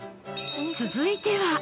続いては